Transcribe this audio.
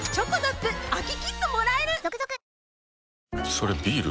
それビール？